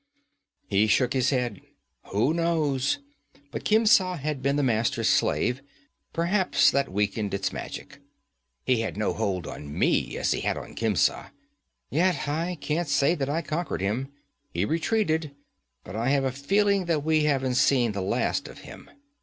He shook his head. 'Who knows? But Khemsa had been the Master's slave; perhaps that weakened its magic. He had no hold on me as he had on Khemsa. Yet I can't say that I conquered him. He retreated, but I have a feeling that we haven't seen the last of him.